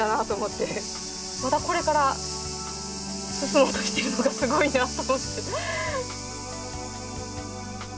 まだこれから進もうとしてるのがすごいなと思って。